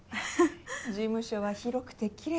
事務所は広くてきれいだし。